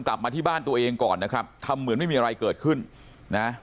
กลับมาที่บ้านตัวเองก่อนนะครับทำเหมือนไม่มีอะไรเกิดขึ้นนะ